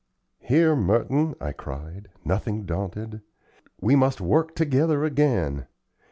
"Here, Merton," I cried, nothing daunted, "we must work together again.